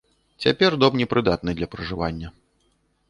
Цяпер дом не прыдатны для пражывання.